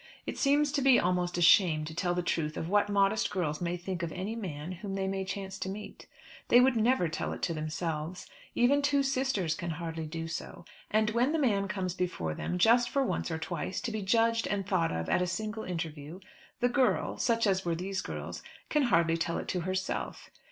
It seems to be almost a shame to tell the truth of what modest girls may think of any man whom they may chance to meet. They would never tell it to themselves. Even two sisters can hardly do so. And when the man comes before them, just for once or twice, to be judged and thought of at a single interview, the girl, such as were these girls, can hardly tell it to herself.